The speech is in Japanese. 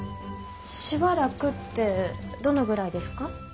しばらくってどのぐらいですか？